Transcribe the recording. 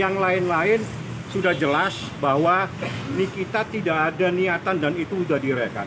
yang lain lain sudah jelas bahwa nikita tidak ada niatan dan itu sudah direkam